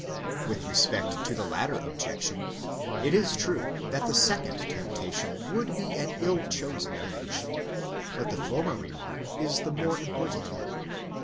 4 With respect to the latter objection, it is true that the second temptation would be an ill chosen image; but the former remark is the more important one.